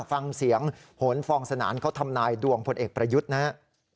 ฟังเสียงโหนฟองสนานเขาทำนายดวงพลเอกประยุทธ์นะครับ